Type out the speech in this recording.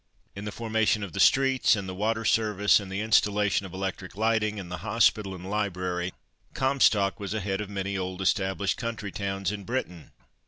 In the formation of the streets, in the water service, in the installation of electric lighting, in the hospital and library, Comstock was ahead of many old established country towns in Britain.